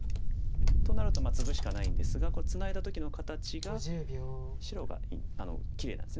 となるとツグしかないんですがツナいだ時の形が白がきれいなんです。